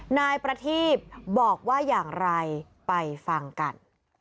นายประทีบบอกว่าอย่างไรไปฟังกัน